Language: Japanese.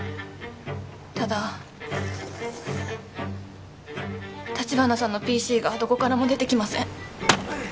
ただ橘さんのＰＣがどこからも出てきません